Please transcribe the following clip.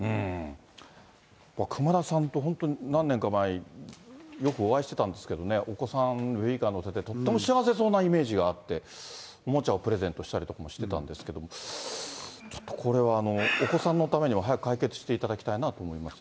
熊田さんと、本当に何年か前、よくお会いしてたんですけど、お子さん、ベビーカー乗せて、とっても幸せそうなイメージがあって、おもちゃをプレゼントしたりとかもしてたんですけど、ちょっとこれは、お子さんのためにも、早く解決していただきたいなと思いますね。